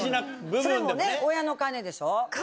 それも親の金でしょ。